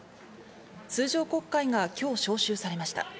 通常国会が今日招集されました。